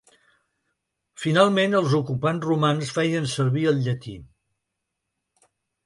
Finalment, els ocupants romans feien servir el llatí.